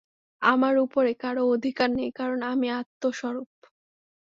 আমার উপরে কারও কোন অধিকার নেই, কারণ আমি আত্মস্বরূপ।